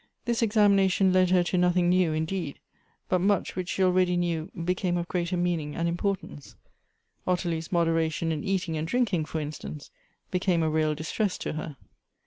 This examination led her to nothing new, indeed ; but much which she already knew become of greater mean ing and importance. Ottilie's moderation in eating and drinking, for instance, became a real distress to her.